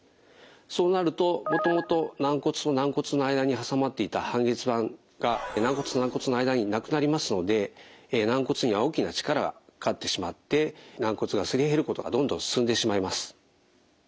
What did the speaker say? そうなるともともと軟骨と軟骨の間に挟まっていた半月板が軟骨と軟骨の間になくなりますので軟骨には大きな力がかかってしまって軟骨がすり減ることがどんどん進んでしまいます。